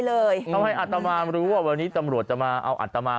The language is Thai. แม่ของแม่ชีอู๋ได้รู้ว่าแม่ของแม่ชีอู๋ได้รู้ว่า